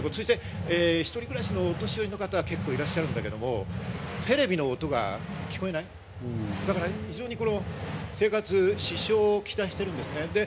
一人暮らしのお年寄りの方、結構いらっしゃるんだけれども、テレビの音が聞こえない、だから非常に生活に支障をきたしているんですね。